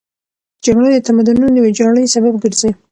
جګړه د تمدنونو د ویجاړۍ سبب ګرځي.